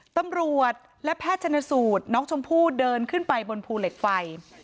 ตำรวจและแพทย์ชนสูตรน้องชมพู่เดินขึ้นไปบนภูเหล็กไฟ